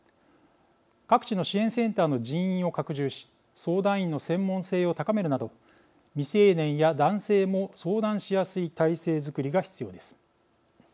各地の支援センターの人員を拡充し相談員の専門性を高めるなど未成年や男性も相談しやすい体制づくりが必要です。